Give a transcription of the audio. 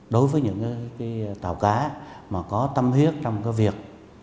đối với những tàu cá mà có tâm huyết trong cái việc